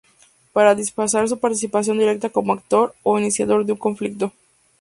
Para disfrazar su participación directa como actor o iniciador de un conflicto.